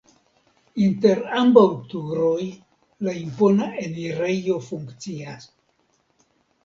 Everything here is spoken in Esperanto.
Inter ambaŭ turoj la impona enirejo funkcias.